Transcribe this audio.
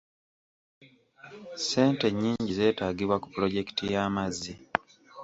Ssente nnyingi zeetaagibwa ku pulojekiti y'amazzi.